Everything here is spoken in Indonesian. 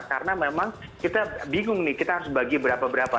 karena memang kita bingung nih kita harus bagi berapa berapa